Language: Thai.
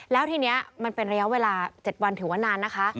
แล้วทีนี้มันเป็นระยะเวลา๗วันถือว่านานนะคะ